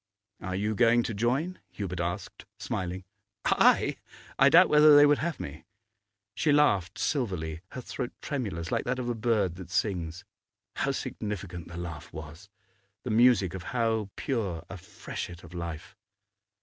'Are you going to join?' Hubert asked, smiling. 'I? I doubt whether they would have me.' She laughed silverly, her throat tremulous, like that of a bird that sings. How significant the laugh was! the music of how pure a freshet of life!